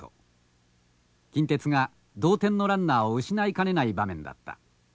近鉄が同点のランナーを失いかねない場面だった。